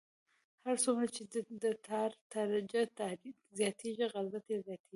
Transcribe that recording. هر څومره چې د ټار درجه زیاتیږي غلظت یې زیاتیږي